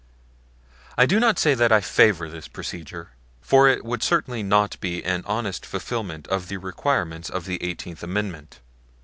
I do not say that I favor this procedure; for it would certainly not be an honest fulfilment of the requirements of the Eighteenth Amendment.